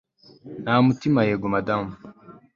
Numutima yego Madamu